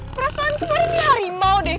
perasaan kemarinnya harimau deh